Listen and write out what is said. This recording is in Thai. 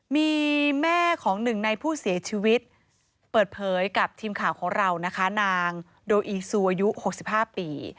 มีแม่ของหนึ่งในผู้เสียชีวิตเปิดเผยกับทีมข่าวของเรานะคะนางโดอีซูอายุ๖๕ปี